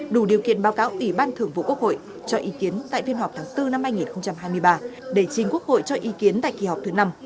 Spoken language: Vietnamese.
đủ điều kiện báo cáo ủy ban thưởng vụ quốc hội cho ý kiến tại phiên họp tháng bốn năm hai nghìn hai mươi ba để chính quốc hội cho ý kiến tại kỳ họp thứ năm